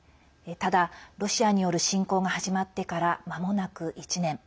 ただ、ロシアによる侵攻が始まってから、まもなく１年。